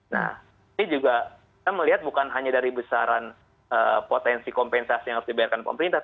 nah ini juga kita melihat bukan hanya dari besaran potensi kompensasi yang harus dibayarkan pemerintah